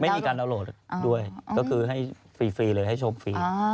ไม่มีการเอาโหลดด้วยก็คือให้ฟรีเลยให้ชมฟรี